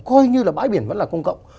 coi như là bãi biển vẫn là công cộng